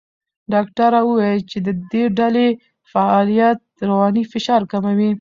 ډاکټره وویل چې د ډلې فعالیت رواني فشار کموي.